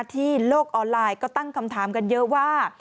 โลกออนไลน์ก็ตั้งคำถามกันเยอะว่า